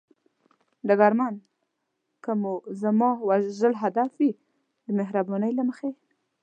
ډګرمن: که مو زما وژل هدف وي، د مهربانۍ له مخې.